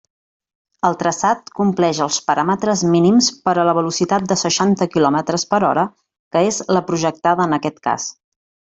El traçat compleix els paràmetres mínims per a la velocitat de seixanta quilòmetres per hora que és la projectada en aquest cas.